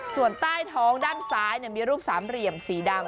ส่วนใต้ท้องด้านซ้ายมีรูปสามเหลี่ยมสีดำ